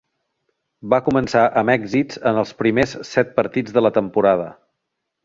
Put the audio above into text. Va començar amb èxits en els primers set partits de la temporada.